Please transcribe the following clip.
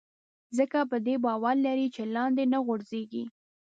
ځکه په دې باور لري چې لاندې نه غورځېږي.